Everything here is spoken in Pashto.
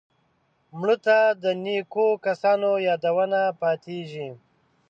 مړه ته د نیکو کسانو یادونه پاتېږي